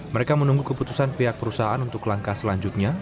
mereka menunggu keputusan pihak perusahaan untuk langkah selanjutnya